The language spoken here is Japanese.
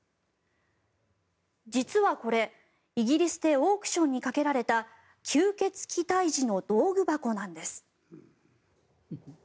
実はこれ、イギリスでオークションにかけられた吸血鬼退治の道具箱なんです。